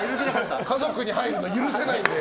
家族に入るの許せないので。